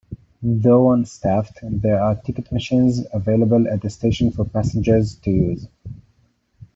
Though unstaffed, there are ticket machines available at the station for passengers to use.